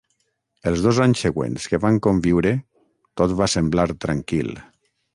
Els dos anys següents que van conviure, tot va semblar tranquil.